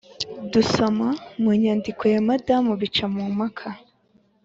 dusoma mu nyandiko ya madame bicamumpaka